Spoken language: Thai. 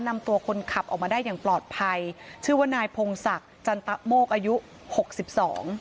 นำตัวคนขับออกมาได้อย่างปลอดภัยชื่อว่านายพงศักดิ์จันตะโมกอายุหกสิบสอง